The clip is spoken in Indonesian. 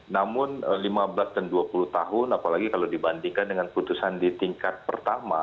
namun lima belas dan dua puluh tahun apalagi kalau dibandingkan dengan putusan di tingkat pertama